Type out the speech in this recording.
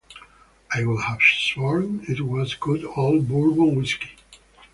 I would have sworn it was good old Bourbon whiskey.